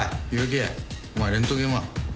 木お前レントゲンは？